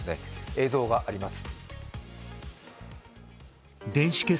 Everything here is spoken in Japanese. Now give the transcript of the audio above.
映像があります。